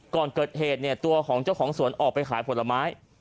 ก่อนเกิดเหตุเนี่ยตัวของเจ้าของสวนออกไปขายผลไม้